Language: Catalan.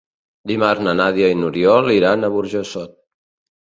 Dimarts na Nàdia i n'Oriol iran a Burjassot.